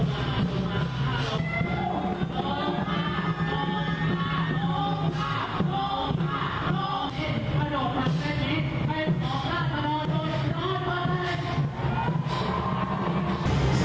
สำรวจการท่านทำร่างเจ็บของที่ได้เลยจ้า